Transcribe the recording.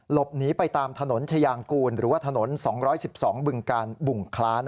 หลบหนีไปตามถนนชายางกูลหรือว่าถนน๒๑๒บึงการบุ่งคล้า